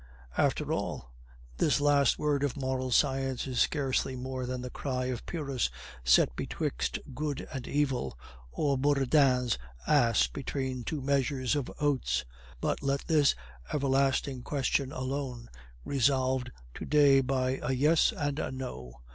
After all, this last word of moral science is scarcely more than the cry of Pyrrhus set betwixt good and evil, or Buridan's ass between the two measures of oats. But let this everlasting question alone, resolved to day by a 'Yes' and a 'No.